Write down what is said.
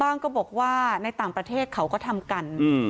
ก็บอกว่าในต่างประเทศเขาก็ทำกัน